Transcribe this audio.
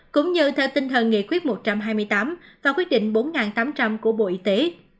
cũng như theo tinh thần nghị quyết một trăm hai mươi tám và quyết định bốn tám trăm linh của bộ y tế